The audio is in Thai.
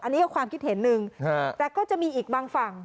อันนี้ก็ความคิดเห็นหนึ่งแต่ก็จะมีอีกบางฝั่ง